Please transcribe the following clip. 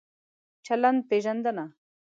چلند پېژندنه